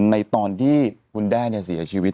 ในตอนที่คุณแอมเนี่ยเสียชีวิต